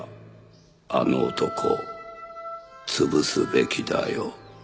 あの男潰すべきだよ。